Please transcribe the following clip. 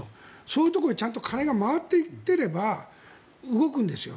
そういうところへちゃんと金が回っていってれば動くんですよ。